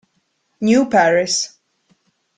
New Paris